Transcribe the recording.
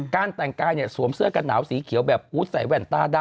การแต่งกายเนี่ยสวมเสื้อกันหนาวสีเขียวแบบอู๊ดใส่แว่นตาดำ